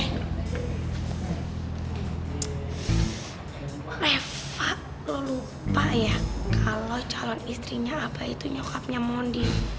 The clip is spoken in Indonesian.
ck reva lo lupa ya kalau calon istrinya abah itu nyokapnya mondi